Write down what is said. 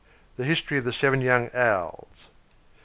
THE HISTORY OF THE SEVEN YOUNG OWLS.